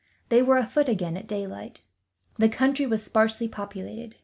They were afoot again, at daylight. The country was sparsely populated.